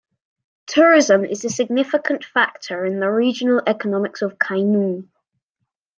Tourism is a significant factor in the regional economics of Kainuu.